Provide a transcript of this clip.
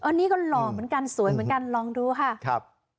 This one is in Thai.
อันนี้ก็หล่อเหมือนกันสวยเหมือนกันลองดูค่ะครับ